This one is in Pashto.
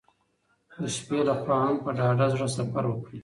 د شپې له خوا هم په ډاډه زړه سفر وکړئ.